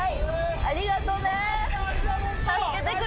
ありがとね。